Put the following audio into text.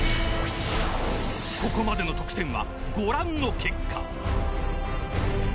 ［ここまでの得点はご覧の結果］